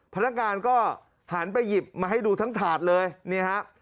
พนักงานก็หันไปหยิบมาให้ดูทั้งถาดเลยนี่ฮะ